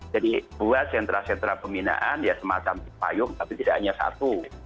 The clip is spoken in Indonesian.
jadi buat sentra sentra pembinaan ya semacam cipayung tapi tidak hanya satu